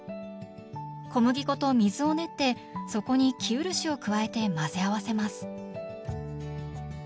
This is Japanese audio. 小麦粉と水を練ってそこに生漆を加えて混ぜ合わせます。